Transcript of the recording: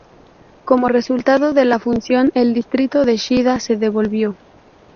Como resultado de la fusión, el Distrito de Shida se disolvió.